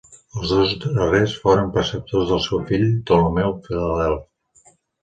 Els dos darrers foren preceptors del seu fill Ptolemeu Filadelf.